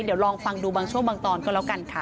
เดี๋ยวลองฟังดูบางช่วงบางตอนก็แล้วกันค่ะ